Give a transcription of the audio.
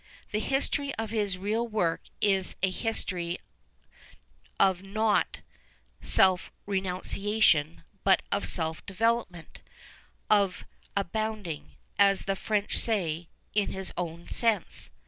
The history of his real work is a history not of self renunciation, but of self development, of abounding, as the French say, in his own sense.